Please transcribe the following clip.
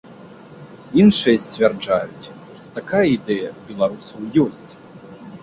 Іншыя сцвярджаюць, што такая ідэя ў беларусаў ёсць.